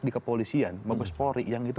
di kepolisian bagus pori yang itu